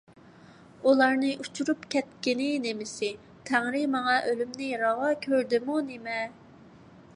ئۇلارنى ئۇچۇرۇپ كەتكىنى نېمىسى؟ تەڭرى ماڭا ئۆلۈمنى راۋا كۆردىمۇ نېمە؟